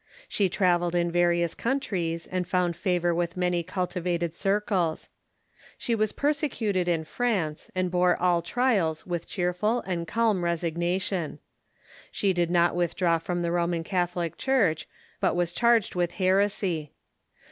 She travelled in various countries, and found favor with many cultivated cir cles. She was persecuted in France, and bore all trials with cheerful and calm resignation. She did not withdraw from the Roman Catholic Church, but was charged with heresy.